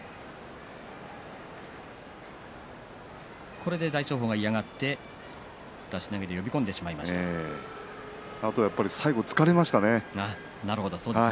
これで大翔鵬が嫌がって出し投げであと最後、疲れましたね。